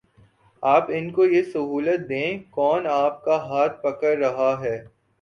آپ ان کو یہ سہولت دیں، کون آپ کا ہاتھ پکڑ رہا ہے؟